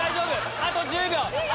あと１０秒！